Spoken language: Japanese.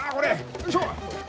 よいしょ！